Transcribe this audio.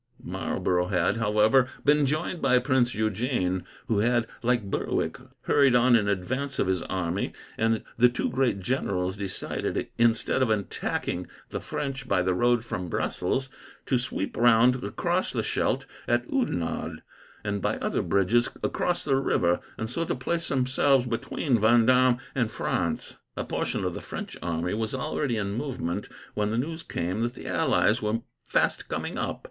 Marlborough had, however, been joined by Prince Eugene, who had, like Berwick, hurried on in advance of his army, and the two great generals decided, instead of attacking the French by the road from Brussels, to sweep round across the Scheldt at Oudenarde, and by other bridges across the river, and so to place themselves between Vendome and France. A portion of the French army was already in movement, when the news came that the allies were fast coming up.